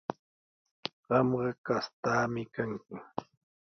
Qamqa kastaami kanki.